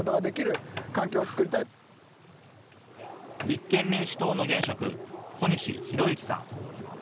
立憲民主党の現職、小西洋之さん。